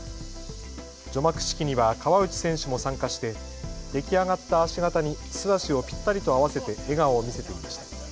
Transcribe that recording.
除幕式には川内選手も参加して出来上がった足形に素足をぴったりと合わせて笑顔を見せていました。